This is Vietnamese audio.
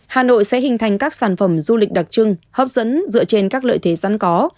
hà nội sẽ hình thành các sản phẩm du lịch đặc trưng hấp dẫn dựa trên các lợi thế sẵn có